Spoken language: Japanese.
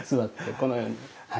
このようにはい。